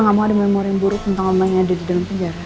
ngomong ada memori buruk tentang omanya ada di dalam penjara